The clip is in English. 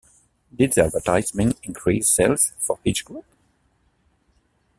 Did the advertising increase sales for each group?